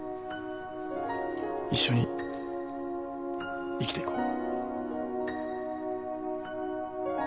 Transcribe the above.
一緒に生きていこう。